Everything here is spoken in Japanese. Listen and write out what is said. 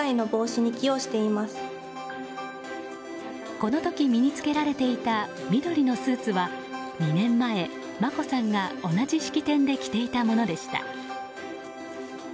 この時、身に着けられていた緑のスーツは２年前、眞子さんが同じ式典で着ていたものでした。